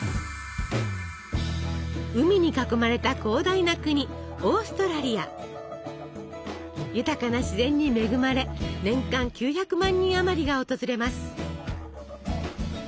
海に囲まれた広大な国豊かな自然に恵まれ年間９００万人あまりが訪れます。